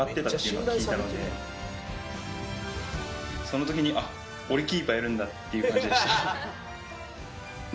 その時に「あっ俺キーパーやるんだ」っていう感じでした。